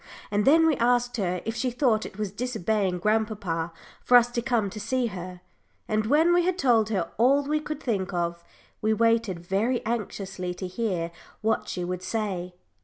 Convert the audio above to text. And then we asked her if she thought it was disobeying grandpapa for us to come to see her; and when we had told her all we could think of, we waited very anxiously to hear what she would say.